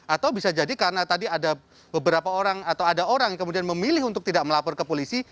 atau bisa jadi karena tadi ada beberapa orang atau ada orang yang kemudian memilih untuk tidak melapor ke polisi